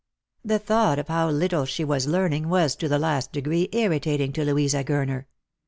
The thought of how little she was learning was to the last degree irritating to Louisa Gurner.